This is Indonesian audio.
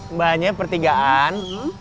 ini mbaknya pertigaan